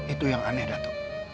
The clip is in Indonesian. itu yang aneh datuk